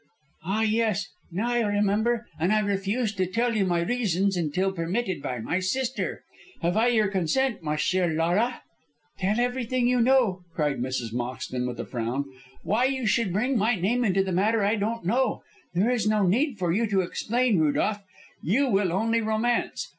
"Ah, yes, now I remember; and I refused to tell you my reasons until permitted by my sister. Have I your consent, ma chère Laura?" "Tell everything you know," cried Mrs. Moxton, with a frown. "Why you should bring my name into the matter I don't know. There is no need for you to explain, Rudolph; you will only romance.